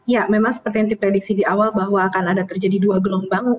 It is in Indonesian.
ya memang seperti yang diprediksi di awal bahwa akan ada terjadi dua gelombang